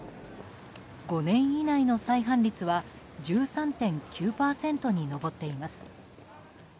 ５年以内の再犯率は１３．９％に上っています。